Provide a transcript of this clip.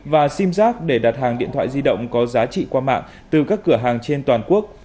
và sim giác để đặt hàng điện thoại di động có giá trị qua mạng từ các cửa hàng trên toàn quốc